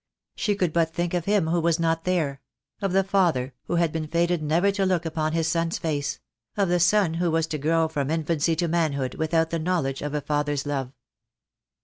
She could but think of him who was not there; of the father who had been fated never to look upon his son's face; of the son who was to grow from infancy to manhood without the knowledge of a father's love.